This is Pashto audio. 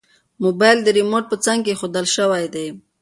موبایل د ریموټ په څنګ کې ایښودل شوی دی.